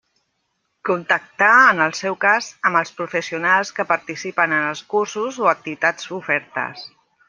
Contactar, en el seu cas, amb els professionals que participen en els cursos o activitats ofertes.